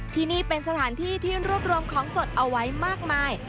ที่นี่เป็นสถานที่ที่รวบรวมของสดเอาไว้มากมาย